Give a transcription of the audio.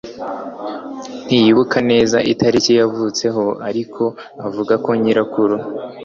Ntiyibuka neza itariki yavutseho ariko avuga ko nyirakuru